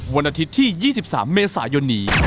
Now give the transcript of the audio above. วันอาทิตย์ที่๒๓เมษายนนี้